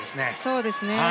そうですね。